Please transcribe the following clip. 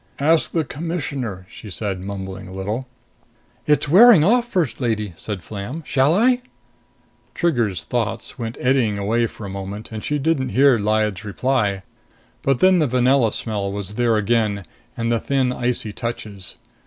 "Ask the Commissioner," she said, mumbling a little. "It's wearing off, First Lady," said Flam. "Shall I?" Trigger's thoughts went eddying away for a moment, and she didn't hear Lyad's reply. But then the vanilla smell was there again, and the thin icy touches.